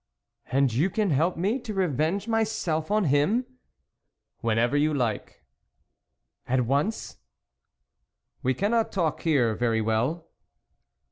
" And you can help me to revenge my self on him ?"" Whenever you like." "At once?" " We cannot talk here very well."